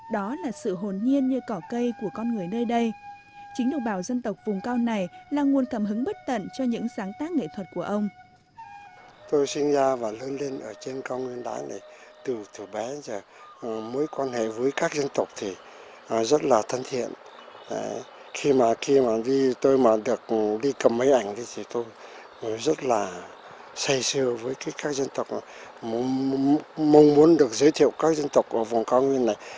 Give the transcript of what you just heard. đó là sự hồn nhiên như cỏ cây của con người nơi đây chính độc bào dân tộc vùng cao này là nguồn cảm hứng bất tận cho những sáng tác nghệ thuật của ông